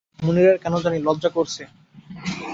মুনিরের কেন জানি লজ্জা করছে।